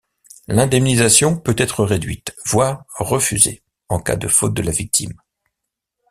L'indemnisation peut être réduite, voire refusée, en cas de faute de la victime.